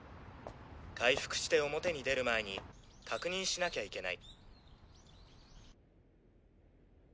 回復して表に出る前に確認しなきゃいけない。